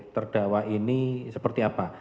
terdakwa ini seperti apa